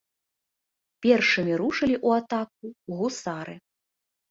Першымі рушылі ў атаку гусары.